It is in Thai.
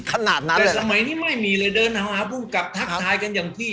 ขนาดนั้นเลยสมัยนี้ไม่มีเลยเดินหาผู้กลับทักทายกันอย่างที่